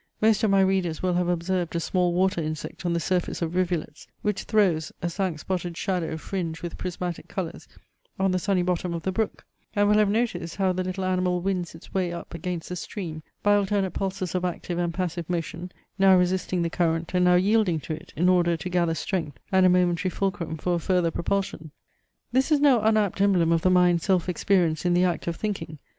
Most of my readers will have observed a small water insect on the surface of rivulets, which throws a cinque spotted shadow fringed with prismatic colours on the sunny bottom of the brook; and will have noticed, how the little animal wins its way up against the stream, by alternate pulses of active and passive motion, now resisting the current, and now yielding to it in order to gather strength and a momentary fulcrum for a further propulsion. This is no unapt emblem of the mind's self experience in the act of thinking.